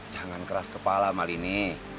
jangan keras kepala malini